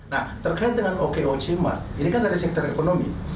nah terkait dengan okoc mbak ini kan ada sektor ekonomi